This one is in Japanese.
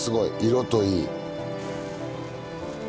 色といい。